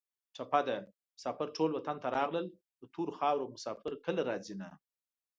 ټپه ده: مسافر ټول وطن ته راغلل د تورو خارو مسافر کله راځینه